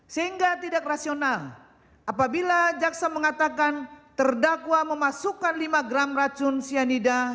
sehingga tidak rasional apabila jaksa mengatakan terdakwa memasukkan lima gram racun cyanida